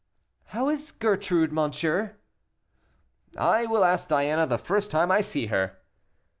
"How is Gertrude, monsieur?" "I will ask Diana the first time I see her."